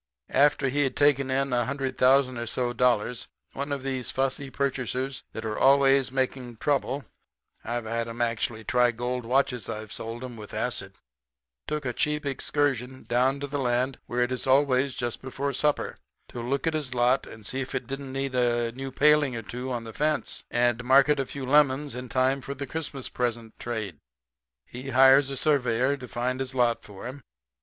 After he had taken in a hundred thousand or so dollars one of these fussy purchasers that are always making trouble (I've had 'em actually try gold watches I've sold 'em with acid) took a cheap excursion down to the land where it is always just before supper to look at his lot and see if it didn't need a new paling or two on the fence, and market a few lemons in time for the Christmas present trade. He hires a surveyor to find his lot for him.